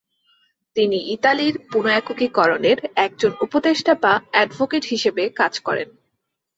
তিনি ইতালির পুনঃএকীকরণের একজন উপদেষ্টা বা অ্যাডভোকেট হিসেবে কাজ করেন।